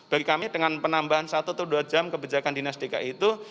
bagi kami dengan penambahan satu atau dua jam kebijakan dinas dki itu